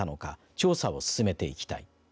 調査を進めていきたい。